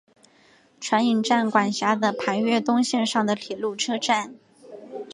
船引站管辖的磐越东线上的铁路车站。